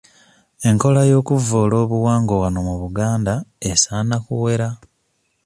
Enkola y'okuvvoola obuwangwa wano mu Buganda esaana kuwera.